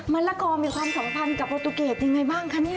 มะละกอมีความสัมพันธ์กับปลูตุเกตยังไงบ้างคะ